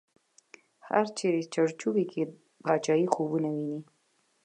هر چړی په چړچوبۍ کی، باچایې خوبونه وینې